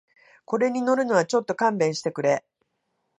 これに乗るのはちょっと勘弁してくれ